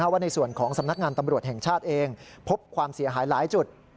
ว่าในส่วนของสำนักงานตำรวจแห่งชาติเองพบความเสียหายหลายจุด